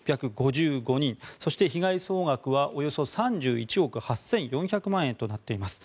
そして、被害総額はおよそ３１億８４００万円となっています。